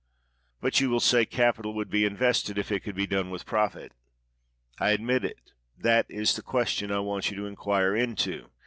But you will say, capital would be invested if it could be done with profit. I admit it; that is the question I want you to inquire into.